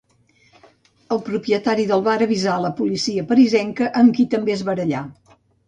El propietari del bar avisà a la policia parisenca, amb qui també es barallà.